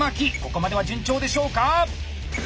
ここまでは順調でしょうか